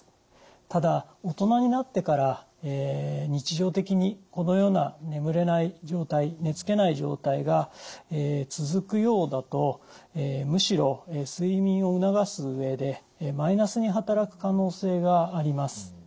ただ大人になってから日常的にこのような眠れない状態寝つけない状態が続くようだとむしろ睡眠を促す上でマイナスに働く可能性があります。